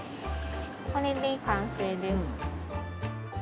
これで完成です。